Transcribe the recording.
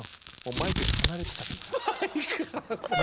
マイク離しちゃってね。